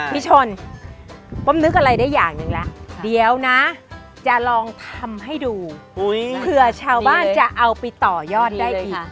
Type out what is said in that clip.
พี่ชนป้อมนึกอะไรได้อย่างหนึ่งแล้วเดี๋ยวนะจะลองทำให้ดูเผื่อชาวบ้านจะเอาไปต่อยอดได้อีก